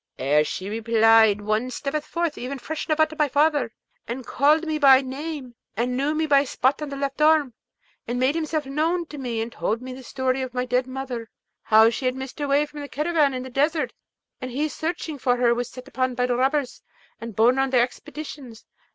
Ere she replied one stepped forth, even Feshnavat, my father, and called me by name, and knew me by a spot on the left arm, and made himself known to me, and told me the story of my dead mother, how she had missed her way from the caravan in the desert, and he searching her was set upon by robbers, and borne on their expeditions.